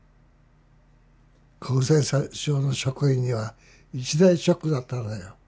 厚生省の職員には一大ショックだったのよ。